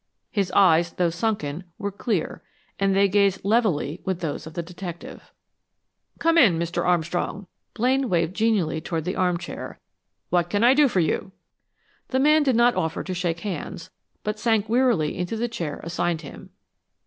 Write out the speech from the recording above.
His eyes, though sunken, were clear, and they gazed levelly with those of the detective. "Come in, Mr. Armstrong." Blaine waved genially toward the arm chair. "What can I do for you?" The man did not offer to shake hands, but sank wearily into the chair assigned him.